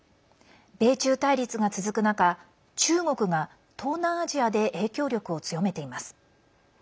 米中対立が続く中中国が東南アジアで影響力を強めています。